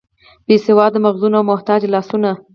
بې سواده مغزونه او محتاج لاسونه.